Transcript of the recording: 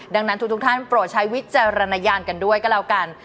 ดังนั้นทุกท่านโปรดใช้วิจารณญาณกันด้วยก็แล้วกัน